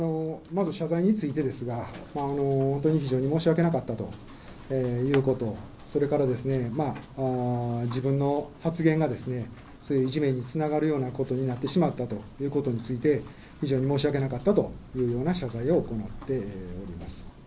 まず謝罪についてですが、本当に非常に申し訳なかったということ、それから自分の発言がいじめにつながるようなことになってしまったことについて、非常に申し訳なかったというような謝罪を行っております。